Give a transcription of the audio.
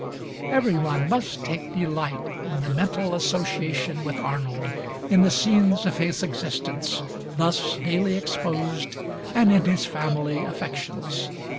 Every one must take delight in the mental association with Arnold in the scenes of his existence, thus daily exposed, and in his family affections.